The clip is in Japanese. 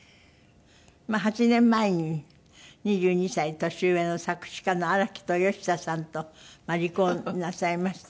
８年前に２２歳年上の作詞家の荒木とよひささんと離婚なさいまして。